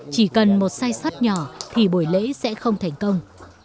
chỉ cần một sai sót nhỏ thì buổi lễ sẽ không thành công